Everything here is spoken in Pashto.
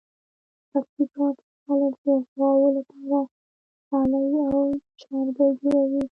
په پکتیکا کې خلک د غواوو لپاره څالې او جارګې جوړوي.